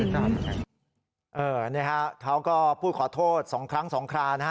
เฮ้อเขาก็พูดขอโทษสองครั้งสองครานะครับ